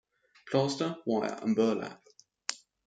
Plaster, wire, and burlap.